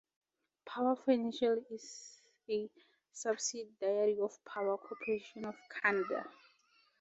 Power Financial is a subsidiary of Power Corporation of Canada.